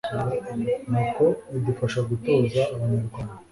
ni uko bidufasha gutoza abanyarwanda